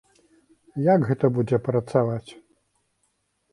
Як гэта будзе працаваць?